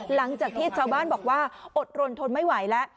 หลังจากที่ชาวบ้านบอกว่าอดรนทนไม่ไหวแล้ว